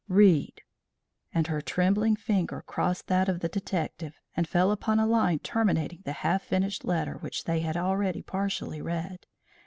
Read!" And her trembling finger crossed that of the detective and fell upon a line terminating the half finished letter which they had already partially read.